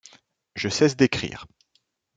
Je cesse d'écrire.